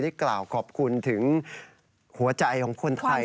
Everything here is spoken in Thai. กล่าวขอบคุณถึงหัวใจของคนไทย